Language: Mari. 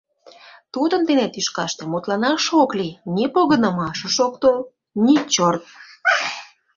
Тудын дене тӱшкаште мутланаш ок лий: ни погынымашыш ок тол, ни чорт...